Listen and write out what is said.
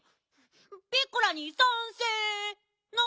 ピッコラにさんせい。な？